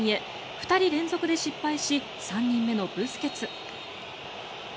２人連続で失敗し３人目のブスケツ。